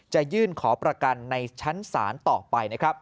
จะยื่นขอประกันในชั้นศาลต่อไปนะครับ